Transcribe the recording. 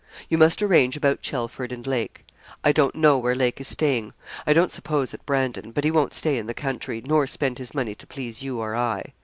You must arrange about Chelford and Lake. I don't know where Lake is staying. I don't suppose at Brandon; but he won't stay in the country nor spend his money to please you or I.